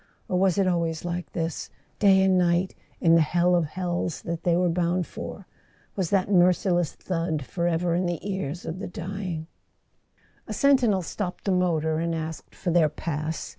Or was it always like this, day and night, in the hell of hells that they were bound for? Was that merciless thud forever in the ears of the dying ?[ 271 ] A SON AT THE FRONT A sentinel stopped the motor and asked for their pass.